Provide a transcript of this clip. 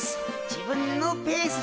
自分のペース！